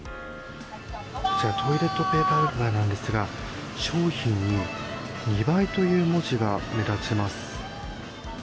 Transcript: トイレットペーパー売り場なんですが商品に２倍という文字が目立ちます。